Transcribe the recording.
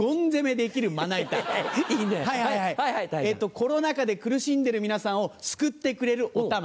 コロナ禍で苦しんでる皆さんをスクってくれるおたま。